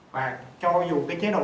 và cho dù cái chế độ